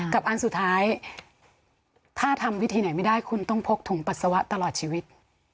อันสุดท้ายถ้าทำวิธีไหนไม่ได้คุณต้องพกถุงปัสสาวะตลอดชีวิต